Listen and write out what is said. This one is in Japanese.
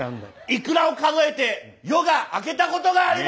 「イクラを数えて夜が明けたことがあります」。